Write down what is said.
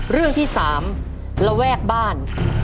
เรื่องที่๓ระแวกบ้าน